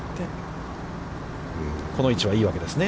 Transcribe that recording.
この位置はいいわけですね。